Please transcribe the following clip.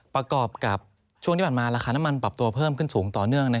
พอน้ำมันปรับตัวสูงขึ้น